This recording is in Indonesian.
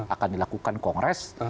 akan dilakukan kongres